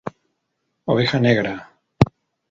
Oveja Negra.